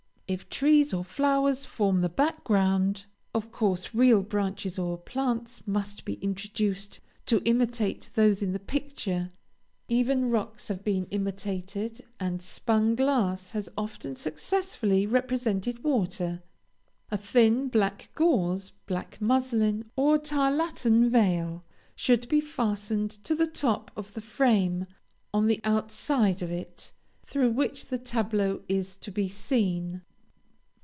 If trees or flowers form the background, of course real branches or plants must be introduced to imitate those in the picture. Even rocks have been imitated; and spun glass has often successfully represented water. A thin, black gauze, black muslin, or tarlatan veil, should be fastened to the top of the frame, on the outside of it, through which the tableau is to be seen.